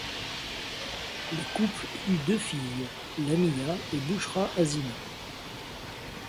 Le couple eut deux filles, Lamiya et Bushra Hasina.